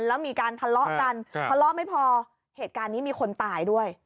แล้วมีการทะเลาะกันทะเลาะไม่พอเหตุการณ์นี้มีคนตายด้วย